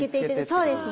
そうです。